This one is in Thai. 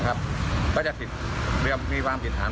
ก็จะมันมีความผิดด้วย